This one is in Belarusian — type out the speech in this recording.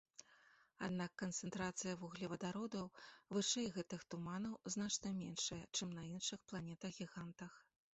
Аднак канцэнтрацыя вуглевадародаў вышэй гэтых туманаў значна меншая, чым на іншых планетах-гігантах.